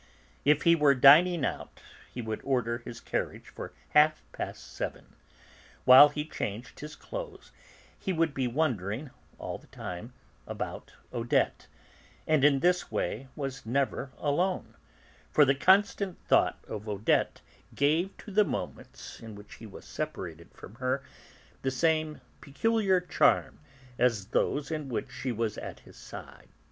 If he were dining out, he would order his carriage for half past seven; while he changed his clothes, he would be wondering, all the time, about Odette, and in this way was never alone, for the constant thought of Odette gave to the moments in which he was separated from her the same peculiar charm as to those in which she was at his side.